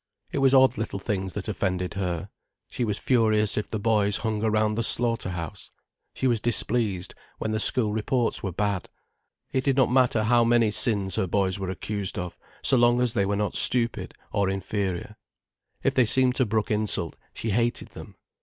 It was odd little things that offended her. She was furious if the boys hung around the slaughter house, she was displeased when the school reports were bad. It did not matter how many sins her boys were accused of, so long as they were not stupid, or inferior. If they seemed to brook insult, she hated them.